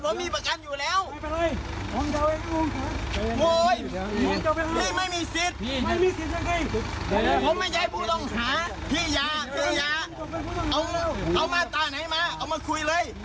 ผมไม่ใช่ผู้ต้องหาพี่ยาคือยาเอามาตราไหนมาเอามาคุยเลย